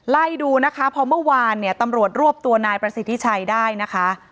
ไล่ดูนะคะพอเมื่อวานเนี่ยตำรวจรวบตัวนายประสิทธิชัยได้นะคะ